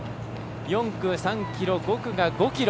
４区は３ｋｍ、５区は５ｋｍ。